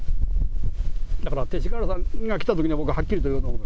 だから勅使河原さんが来たときには僕ははっきり言おうと思う。